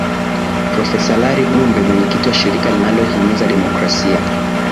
profesa lari gumbe mwenyekiti wa shirika linalohimiza demokrasia